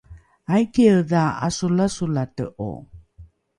aikiedha ’asolasolate’o?